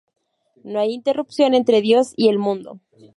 No hay interrupción entre Dios y el mundo.